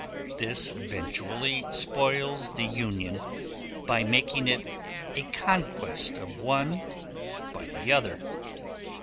This eventually spoils the union by making it a conquest of one by the other.